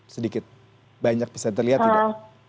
sedikit banyak bisa terlihat tidak